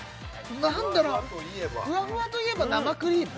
何だろうフワフワといえば生クリーム？